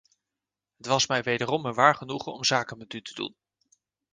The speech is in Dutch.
Het was mij wederom een waar genoegen om zaken met u te doen.